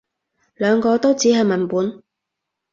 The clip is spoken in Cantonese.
兩個都只係文本